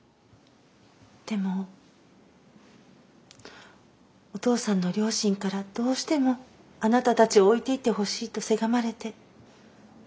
でもお父さんの両親からどうしてもあなたたちを置いていってほしいとせがまれて。